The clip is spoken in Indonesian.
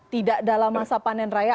tidak dalam masa panen raya